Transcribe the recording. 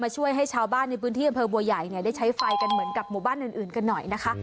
ช่วยให้ชาวบ้านในพื้นที่อำเภอบัวใหญ่ได้ใช้ไฟกันเหมือนกับหมู่บ้านอื่นกันหน่อยนะคะ